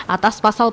atas pasal perbuatan